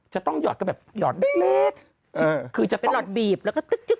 จะต้องหยอดก็แบบหยอดเล็กเล็กเออคือจะเป็นหลอดบีบแล้วก็ตึ๊กตึ๊ก